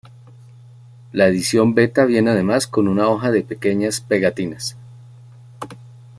La edición beta viene además con una hoja de pequeñas pegatinas.